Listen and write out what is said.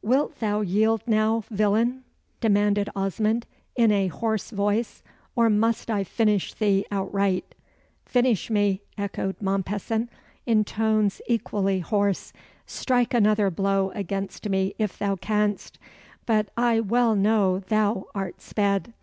"Wilt thou yield now, villain?" demanded Osmond, in a hoarse voice. "Or must I finish thee outright?" "Finish me!" echoed Mompesson, in tones equally hoarse. "Strike another blow against me if thou canst. But I well know thou art sped.